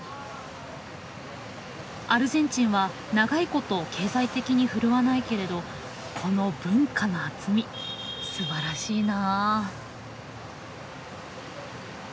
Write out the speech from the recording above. アルゼンチンは長いこと経済的に振るわないけれどこの文化の厚みすばらしいな。